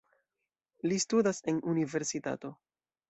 Li studas en universitato.